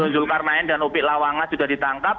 zulkarnain dan upi lawanga sudah ditangkap